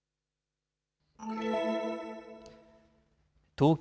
東京